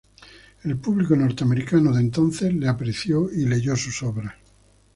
El público norteamericano de entonces le apreció y leyó sus obras.